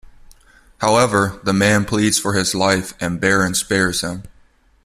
However, the man pleads for his life and Baran spares him.